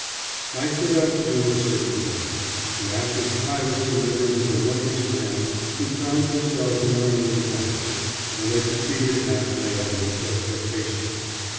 I set out to do a certain thing to act as pilot to members of a wondrous band who found themselves in unknown waters, and I succeeded past my utmost expectations.